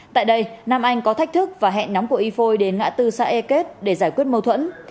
tại đây nam anh có thách thức và hẹn nóng của y phôi đến ngã tư xã e kết để giải quyết mâu thuẫn